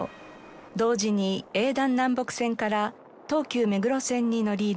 同時に営団南北線から東急目黒線に乗り入れました。